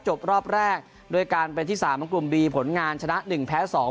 จบรอบแรกโดยการเป็นที่สามของกลุ่มดีผลงานชนะหนึ่งแพ้สอง